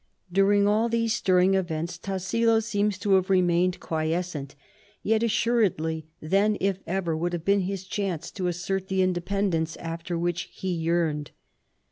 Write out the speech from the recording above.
During all these stirring events Tassilo 172 CHARLEMAGNE. seems to have remained quiescent, yet assuredly then, if ever, would have been his chance to assert the independence after which he yearned.